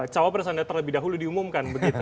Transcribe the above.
cowok perasanda terlebih dahulu diumumkan